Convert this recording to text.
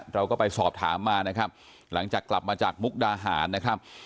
เราก็ไปสอบถามมานะครับหลังจากกลับมาจากมุกดาหารนะครับ